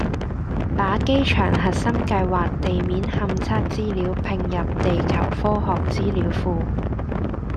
把機場核心計劃地面勘測資料併入地球科學資料庫